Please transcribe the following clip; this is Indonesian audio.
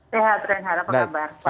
sehat dan harap kabar